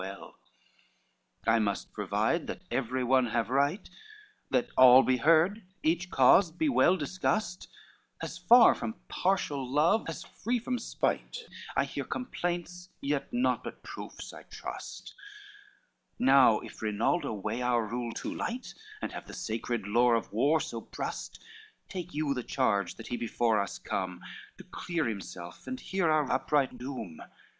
LV "I must provide that every one have right, That all be heard, each cause be well discussed, As far from partial love as free from spite, I hear complaints, yet naught but proves I trust: Now if Rinaldo weigh our rule too light, And have the sacred lore of war so brust, Take you the charge that he before us come To clear himself and hear our upright dome.